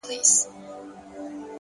هره تجربه د عقل یو نوی رنګ دی!.